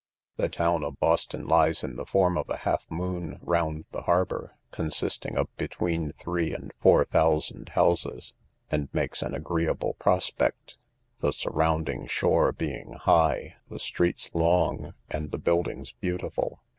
The town of Boston lies in the form of a half moon round the harbour, consisting of between three and four thousand houses, and makes an agreeable prospect; the surrounding shore being high, the streets long, and the buildings beautiful.